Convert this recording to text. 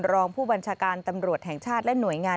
รองผู้บัญชาการตำรวจแห่งชาติและหน่วยงาน